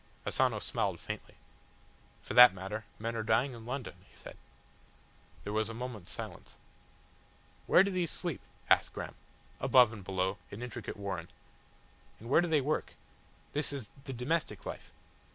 Asano smiled faintly. "For that matter, men are dying in London," he said. There was a moment's silence. "Where do these sleep?" asked Graham. "Above and below an intricate warren." "And where do they work? This is the domestic life."